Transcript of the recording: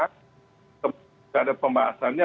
semua keadaan pembahasannya